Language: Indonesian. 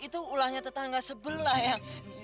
itu ulahnya tetangga sebelah ya